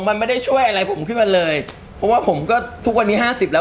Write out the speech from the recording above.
มันไม่ได้ช่วยอะไรผมขึ้นมาเลยเพราะว่าผมก็ทุกวันนี้ห้าสิบแล้ว